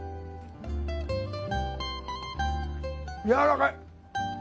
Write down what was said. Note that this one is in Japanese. やわらかい。